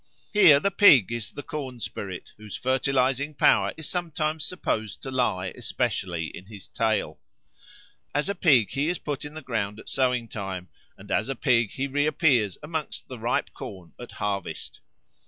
Here the pig is the corn spirit, whose fertilising power is sometimes supposed to lie especially in his tail. As a pig he is put in the ground at sowing time, and as a pig he reappears amongst the ripe corn at harvest.